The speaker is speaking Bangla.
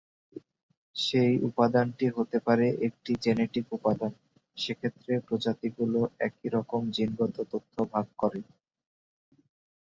সেই উপাদানটি হতে পারে একটি জেনেটিক উপাদান, সেক্ষেত্রে প্রজাতিগুলো একই রকম জিনগত তথ্য ভাগ করে।